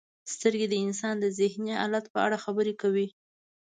• سترګې د انسان د ذهني حالت په اړه خبرې کوي.